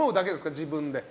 自分で。